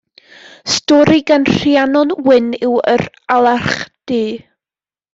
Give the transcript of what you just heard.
Stori gan Rhiannon Wyn yw Yr Alarch Du.